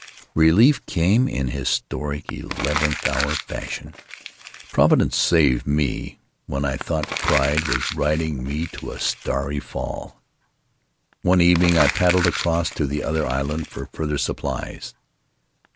Relief came in histrionic, eleventh hour fashion. Providence saved me when I thought Pride was riding me to a starry fall. One evening I paddled across to the other island for further supplies.